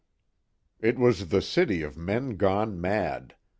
It was the city of men gone mad.